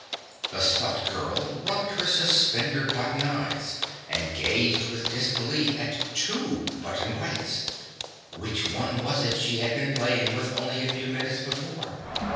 The stuffed girl rubbed her suspender button eyes and gazed with disbelief at two Button Brights which one was it she had been playing with only a few minutes before?